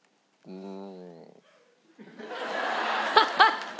うん。